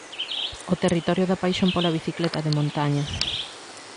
O territorio da paixón pola bicicleta de montaña.